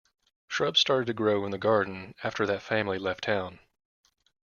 Shrubs started to grow in the garden after that family left town.